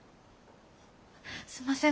すんません。